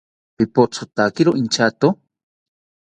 Pipothotakiro inchato